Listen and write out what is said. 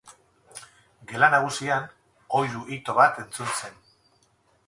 Gela nagusian oihu ito bat entzun zen.